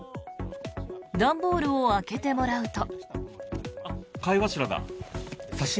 段ボールを開けてもらうと。